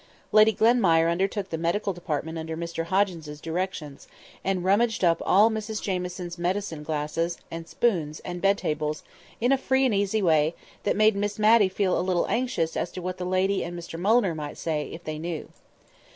Lady Glenmire undertook the medical department under Mr Hoggins's directions, and rummaged up all Mrs Jamieson's medicine glasses, and spoons, and bed tables, in a free and easy way, that made Miss Matty feel a little anxious as to what that lady and Mr Mulliner might say, if they knew.